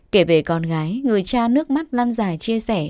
kể về con gái người cha nước mắt lanh